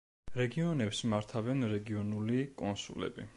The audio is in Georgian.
რეგიონებს მართავენ რეგიონული კონსულები.